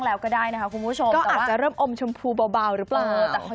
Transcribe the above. แม่เขาไม่อะไรกับเรื่องนี้อยู่แล้วค่ะ